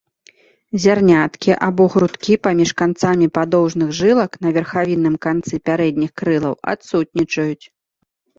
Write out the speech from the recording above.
Зярняткі або грудкі паміж канцамі падоўжных жылак на верхавінным канцы пярэдніх крылаў адсутнічаюць.